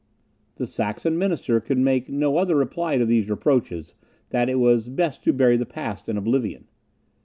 The Saxon minister could make no other reply to these reproaches, than that it was best to bury the past in oblivion.